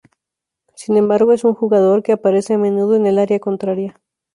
Sin embargo es un jugador que aparece a menudo en el área contraria.